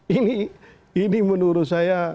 ini ini menurut saya